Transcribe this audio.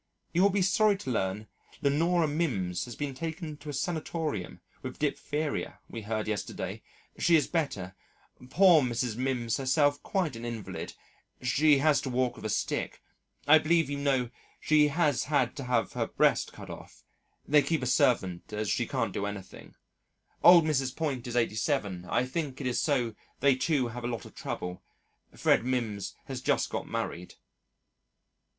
You will be sorry to learn Leonora Mims has been taken to a Sanatorium with Diptheria, we heard yesterday, she is better, poor Mrs. Mims herself quite an invalid, she has to walk with a stick, I believe you know she has had to have her breast cut off, they keep a servant as she can't do anything, old Mrs. Point is 87 I think it is so they too have a lot of trouble, Fred Mims has just got married....